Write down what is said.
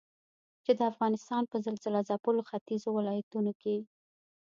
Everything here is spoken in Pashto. چې د افغانستان په زلزلهځپلو ختيځو ولايتونو کې